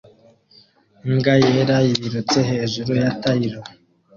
Imbwa yera yirutse hejuru ya tile